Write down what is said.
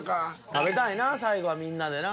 食べたいな最後はみんなでな。